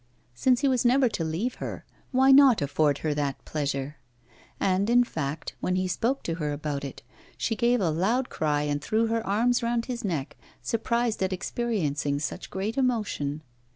Since he was never to leave her, why not afford her that pleasure? And, in fact, when he spoke to her about it, she gave a loud cry and threw her arms round his neck, surprised at experiencing such great emotion.